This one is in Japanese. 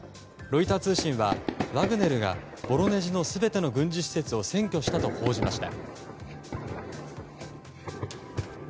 ロイター通信はワグネルがボロネジの全ての軍事施設を占拠したと報じました。